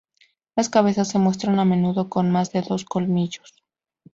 Las cabezas se muestran a menudo con más de dos colmillos.